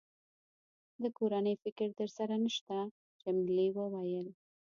د کورنۍ فکر در سره نشته؟ جميلې وويل:.